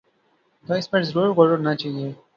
تو اس پر ضرور غور ہو نا چاہیے۔